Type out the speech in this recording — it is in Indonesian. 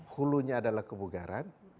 hulunya adalah kebugaran